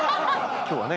今日はね